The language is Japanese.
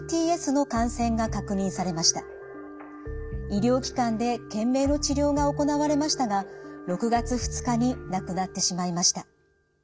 医療機関で懸命の治療が行われましたが６月２日に亡くなってしまいました。